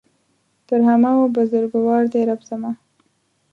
تر همه ؤ بزرګوار دی رب زما